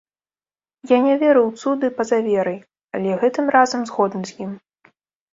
Я не веру ў цуды па-за верай, але гэтым разам згодны з ім.